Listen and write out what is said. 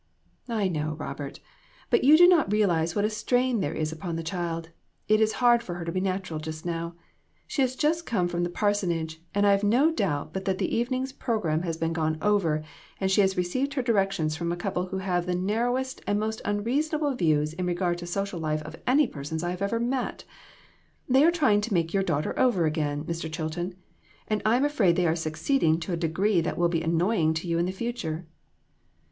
" I know, Robert, but you do not realize what a strain there is upon the child ; it is hard for her to be natural just now. She has just come from the parsonage, and I have not a doubt but that the evening's programme has been gone over and she has received her directions from a couple who have the narrowest and most unreasonable views in regard to social life of any persons I ever met. They are trying to make your daughter over again, Mr. Chilton ; and I am afraid they are succeeding to a degree that will be annoying to you in the future."